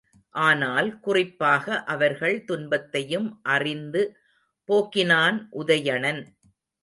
ஆனால் குறிப்பாக அவர்கள் துன்பத்தையும் அறிந்து போக்கினான் உதயணன்.